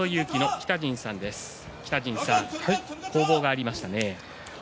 北陣さん、攻防がありましたね。